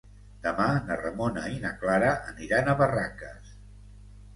Demà na Ramona i na Clara aniran a Barraques.